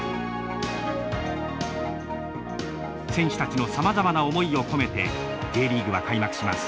選手たちのさまざまな思いを込めてＪリーグは開幕します。